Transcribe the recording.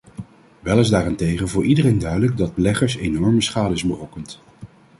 Wel is daarentegen voor iedereen duidelijk dat beleggers enorme schade is berokkend.